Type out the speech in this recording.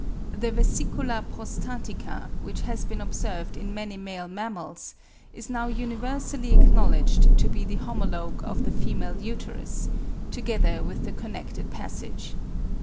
The vesicula prostatica, which has been observed in many male mammals, is now universally acknowledged to be the homologue of the female uterus, together with the connected passage.